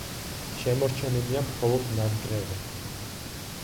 შემორჩენილია მხოლოდ ნანგრევები.